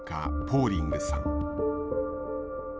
ポーリングさん。